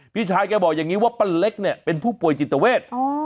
พี่ชายแกบอกอย่างนี้ว่าป้าเล็กเนี่ยเป็นผู้ป่วยจิตเวท